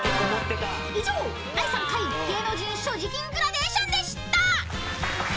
［以上第３回芸能人所持金グラデーションでした！］